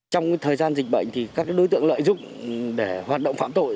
trong thời gian dịch bệnh thì các đối tượng lợi dụng để hoạt động phạm tội